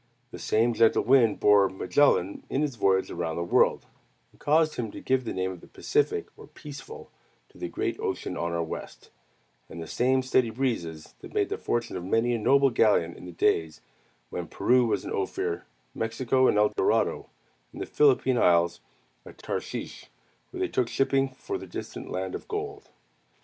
The same gentle wind bore Magellan in his voyage around the world, and caused him to give the name of "Pacific," or "peaceful," to the great ocean on our west; and the same steady breezes made the fortune of many a noble galleon in the days when Peru was an Ophir, Mexico an El Dorado, and the Philippine Isles a Tarshish where they took shipping for the distant land of gold.